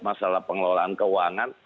masalah pengelolaan keuangan